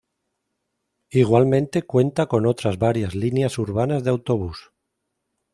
Igualmente cuenta con otras varias líneas urbanas de autobús.